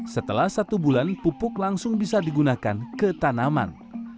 setelah satu bulan pupuk langsung bisa digunakan ke tanaman